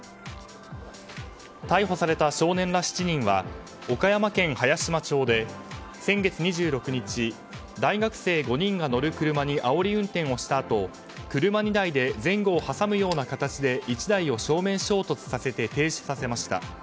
逮捕された少年ら７人は岡山県早島町で先月２６日大学生５人が乗る車にあおり運転をしたあと車２台で前後を挟むような形で１台を正面衝突させて停止させました。